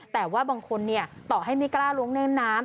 แต่ว่าบางคนเนี่ยต่อให้ไม่กล้าลงเล่นน้ำ